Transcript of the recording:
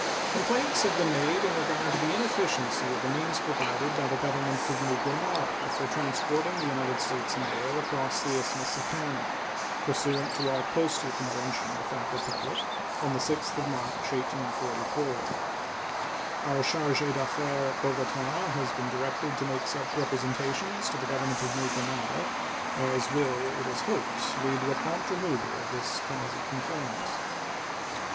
Complaints have been made in regard to the inefficiency of the means provided by the Government of New Granada for transporting the United States mail across the Isthmus of Panama, pursuant to our postal convention with that Republic of the 6th of March, 1844. Our charge d'affaires at Bogota has been directed to make such representations to the Government of New Granada as will, it is hoped, lead to a prompt removal of this cause of complaint.